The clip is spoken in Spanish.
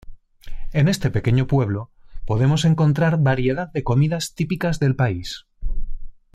En este pequeño pueblo podemos encontrar variedad de comidas típicas del país.